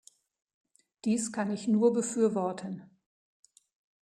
Dies kann ich nur befürworten.